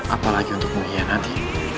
apalagi untukmu ya nanti